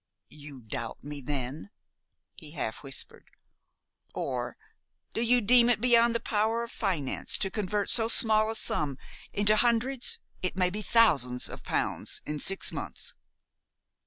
"You doubt me, then?" he half whispered. "Or do you deem it beyond the power of finance to convert so small a sum into hundreds it may be thousands of pounds in six months?"